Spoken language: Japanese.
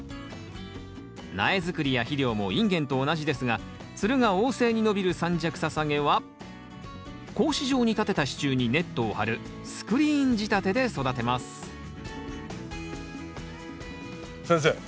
苗づくりや肥料もインゲンと同じですがつるが旺盛に伸びる三尺ササゲは格子状に立てた支柱にネットを張るスクリーン仕立てで育てます先生